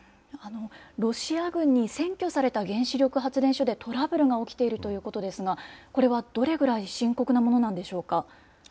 ロシア軍に占拠された原子力発電所でトラブルが起きているということですが、これはどれぐらい深刻なものなんでしょうか。